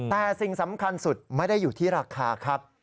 แต่สิ่งสำคัญสุดไม่ได้อยู่ที่ราคาครับ